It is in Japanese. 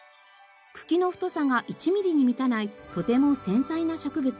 茎の太さが１ミリに満たないとても繊細な植物。